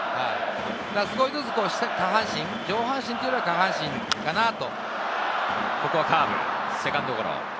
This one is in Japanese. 少しずつ下半身、上半身よりは下半身かなと。